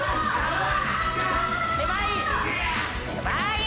狭い！